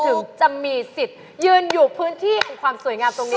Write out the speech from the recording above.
ถึงจะมีสิทธิ์ยืนอยู่พื้นที่ของความสวยงามตรงนี้